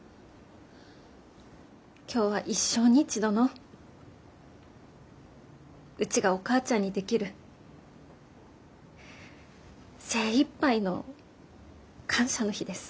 今日は一生に一度のうちがお母ちゃんにできる精いっぱいの感謝の日です。